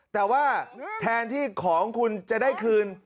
แต่ว่าแทนที่ของคุณจะได้คืน